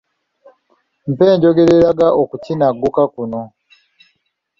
Mpa enjogera eraga okukinagguka kuno.